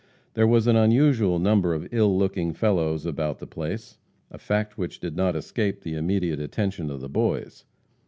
There was an unusual number of ill looking fellows about the place, a fact which did not escape the immediate attention of the boys.